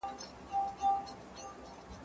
کېدای سي کتابونه ستړي وي؟